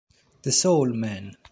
The Soul Man!